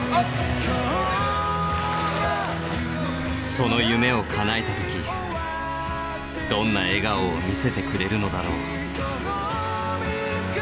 その夢をかなえた時どんな笑顔を見せてくれるのだろう。